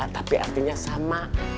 tapi artinya sama